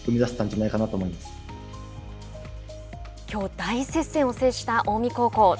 きょう大接戦を制した近江高校。